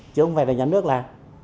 chứ không phải là nhà nước làm